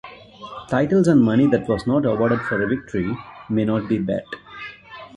Titles and money that was not awarded for a victory may not be bet.